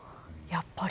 やっぱり。